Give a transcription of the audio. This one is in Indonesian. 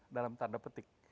dalam tanda petik